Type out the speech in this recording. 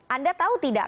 anda tahu tidak